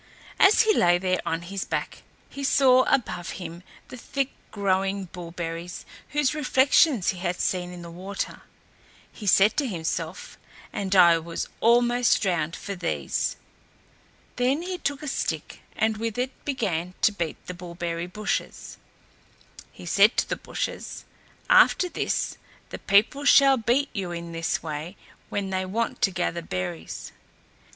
As he lay there on his back, he saw above him the thick growing bullberries whose reflections he had seen in the water. He said to himself, "And I was almost drowned for these." Then he took a stick and with it began to beat the bullberry bushes. He said to the bushes, "After this, the people shall beat you in this way when they want to gather berries."